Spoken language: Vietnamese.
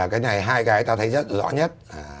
cái này hai cái ta thấy rất rõ nhất